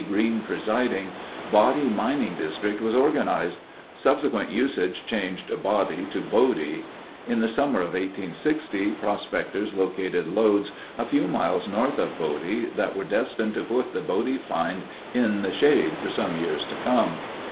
Green presiding, "Body Mining District" was organized. Subsequent usage changed "Body" to "Bodie." In the summer of 1860, prospectors located lodes a few miles north of Bodie that were destined to put the Bodie find "in the shade" for some years to come.